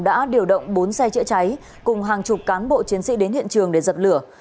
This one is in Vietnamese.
đã điều động bốn xe chữa cháy cùng hàng chục cán bộ chiến sĩ đến hiện trường để dập lửa